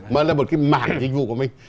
mà là một cái mạng dịch vụ của mình